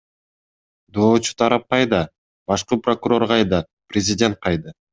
Доочу тарап кайда, башкы прокурор кайда, президент кайда?